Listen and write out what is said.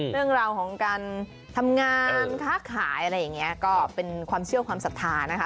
เรื่องราวของการทำงานค้าขายอะไรอย่างนี้ก็เป็นความเชื่อความศรัทธานะคะ